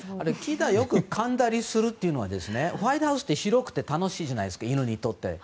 よくかんだりするというのは、ホワイトハウスって白くて楽しいじゃないですか犬にとって。